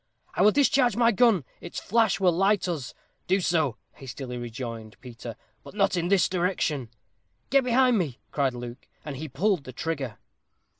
"I will discharge my gun. Its flash will light us." "Do so," hastily rejoined Peter. "But not in this direction." "Get behind me," cried Luke. And he pulled the trigger.